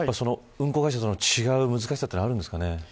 運航会社と違う難しさはあるんですかね。